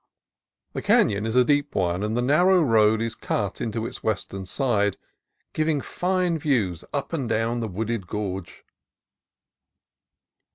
The canon is a deep one, and the narrow road is cut into its western side, giving fine views up and down the wooded gorge.